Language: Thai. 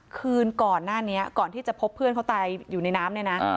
คืนก่อนหน้านี้ก่อนที่จะพบเพื่อนเขาตายอยู่ในน้ำเนี่ยนะ